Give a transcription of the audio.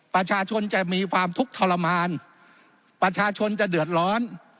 ประชาชนจะมีความทุกข์ทรมานประชาชนจะเดือดร้อน